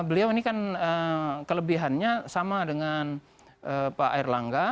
beliau ini kan kelebihannya sama dengan pak erlangga